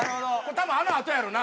多分あのあとやろな